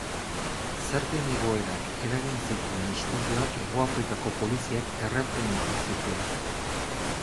Zergen igoerak eragin zituen istiluak Hegoafrikako poliziak erreprimitu zituen.